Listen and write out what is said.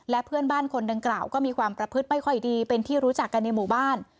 และเพื่อนบ้านคนดังกล่าวก็มีความประพฤติไม่ค่อยดีเป็นที่รู้จักกันในหมู่บ้าน